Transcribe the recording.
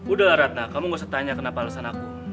udahlah ratna kamu gak usah tanya kenapa alasan aku